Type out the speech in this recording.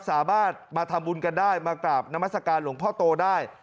สามารถมาทำบุญกันได้มากราบนามัศกาลหลวงพ่อโตได้